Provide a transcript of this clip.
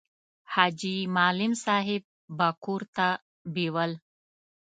حاجي معلم صاحب به کور ته بېول.